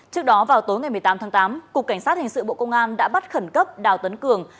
trước đó vào tối ngày một mươi tám tháng tám cục cảnh sát hình sự bộ công an đã bắt khẩn cấp đào tuấn cường